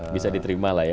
bisa diterima lah ya